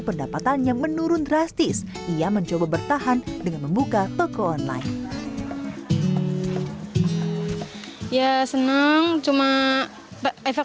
pendapatannya menurun drastis ia mencoba bertahan dengan membuka toko online ya senang cuma efek